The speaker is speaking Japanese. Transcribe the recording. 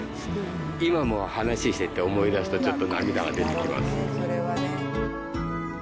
今も話してて、思い出すと、ちょっと涙が出てきます。